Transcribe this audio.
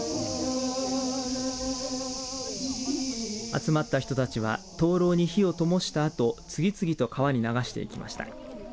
集まった人たちは灯籠に火をともしたあと次々と川に流していきました。